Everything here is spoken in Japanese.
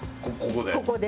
ここで？